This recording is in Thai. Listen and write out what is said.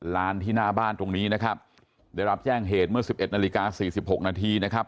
ลานที่หน้าบ้านตรงนี้นะครับได้รับแจ้งเหตุเมื่อ๑๑นาฬิกา๔๖นาทีนะครับ